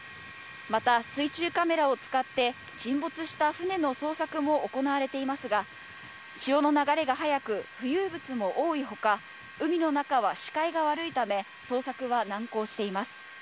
また、水中カメラを使って、沈没した船の捜索も行われていますが、潮の流れが速く、浮遊物も多いほか、海の中は視界が悪いため、捜索は難航しています。